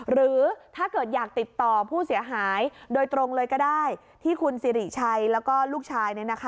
หรือถ้าเกิดอยากติดต่อผู้เสียหายโดยตรงเลยก็ได้ที่คุณสิริชัยแล้วก็ลูกชาย